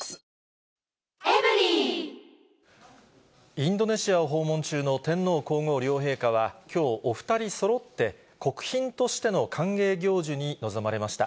インドネシアを訪問中の天皇皇后両陛下はきょう、お２人そろって、国賓としての歓迎行事に臨まれました。